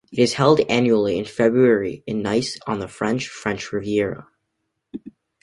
It is held annually in February in Nice on the French Riviera.